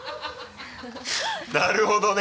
なるほどね。